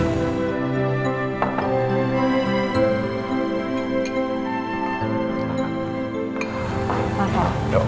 tuh udah disiapin